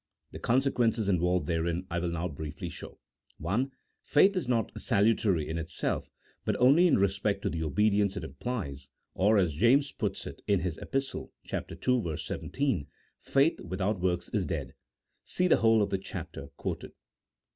The consequences involved therein I will now briefly show. (I.) Faith is not salutary in itself, but only in respect to the obedience it implies, or as James puts it in his Epistle, ii. 17, "Faith without works is dead " (see the whole of the chapter quoted)